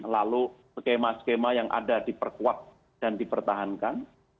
lalu skema skema yang ada diperkuat dan dipertahankan